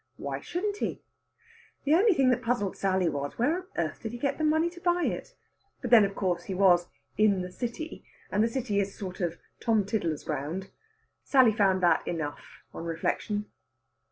Why shouldn't he? The only thing that puzzled Sally was, where on earth did he get the money to buy it? But then, of course, he was "in the City," and the City is a sort of Tom Tiddler's ground. Sally found that enough, on reflection.